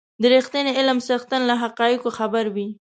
د رښتيني علم څښتن له حقایقو خبر وي.